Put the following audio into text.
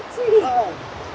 はい。